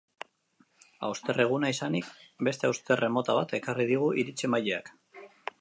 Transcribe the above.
Hausterre eguna izanik, beste hausterre mota bat ekarri digu iritzi-emaileak.